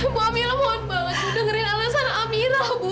ibu amyra mohon bantu dengerin alasan amyra bu